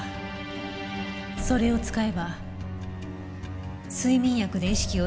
それを使えば睡眠薬で意識を失った人間にも。